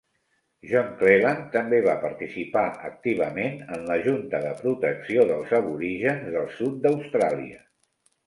John Cleland també va participar activament en la Junta de Protecció dels Aborígens del sud d'Austràlia.